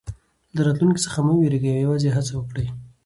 له راتلونکي څخه مه وېرېږئ او یوازې هڅه وکړئ.